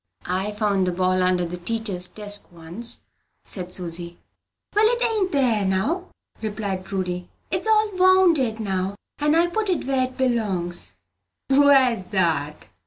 "I found the ball under the teacher's desk once," said Susy. "Well, 'tain't there now," replied Prudy; "it's all wounded now, and I put it where it b'longs." "Where's that?"